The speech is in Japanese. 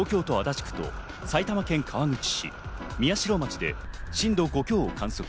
東京都足立区と埼玉県川口市、宮代町で震度５強を観測。